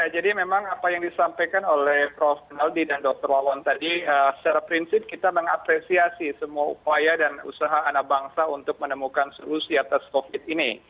jadi memang apa yang disampaikan oleh prof menaldi dan dr wawan tadi secara prinsip kita mengapresiasi semua upaya dan usaha anak bangsa untuk menemukan solusi atas covid sembilan belas ini